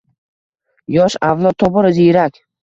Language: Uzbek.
– Yosh avlod tobora ziyrak